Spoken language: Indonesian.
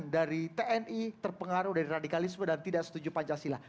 dari tni terpengaruh dari radikalisme dan tidak setuju pancasila